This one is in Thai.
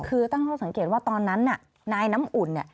คือตั้งคอสังเกตว่าตอนนั้นน้ายน้ำอุ่น